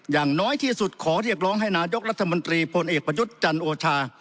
อย่างน้อยที่สุดขอเรียกร้องให้นายกรัฐมนตรีพลเอกประยุทธ์จันโอชา